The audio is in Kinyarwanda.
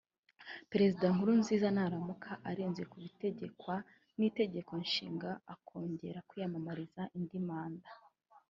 Perezida Nkurunziza naramuka arenze ku bitegekwa n’Itegeko Nshinga akongera kwiyamamariza indi manda